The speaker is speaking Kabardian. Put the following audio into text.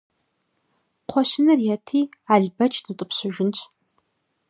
Кхъуэщыныр ети, Албэч дутӀыпщыжынщ.